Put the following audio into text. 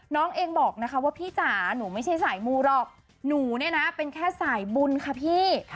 น้องเองบอกนะคะว่าพี่จ๋าหนูไม่ใช่สายมูหรอกหนูเนี่ยนะเป็นแค่สายบุญค่ะพี่